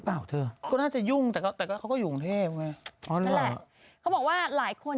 อาจจะมองว่ามิ้นท์